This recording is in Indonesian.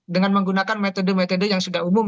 dengan menggunakan metode metode yang sudah umum